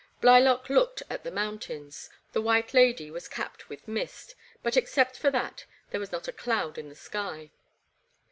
Blylock looked at the mountains. The White Lady was capped with mist, but except for that there was not a doud in the sky.